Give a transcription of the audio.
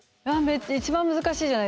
一番難しいじゃないですか。